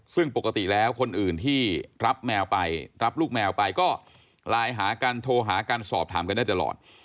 ซึ่งปกติแล้วคนอื่นที่รับแมวไปรับลูกแมวไปก็ไลน์หากันโทรหากันสอบถามกันได้ตลอด